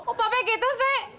apa be gitu sih